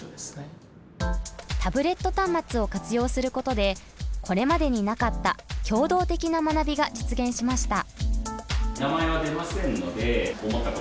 タブレット端末を活用することでこれまでになかった協働的な学びが実現しました。